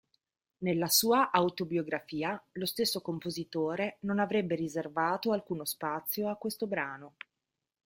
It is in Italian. Nella sua autobiografia, lo stesso compositore non avrebbe riservato alcuno spazio a questo brano.